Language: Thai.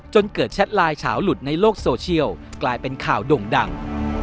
จนเกิดแชทไลน์เฉาหลุดในโลกโซเชียลกลายเป็นข่าวโด่งดัง